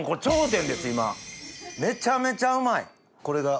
めちゃめちゃうまい！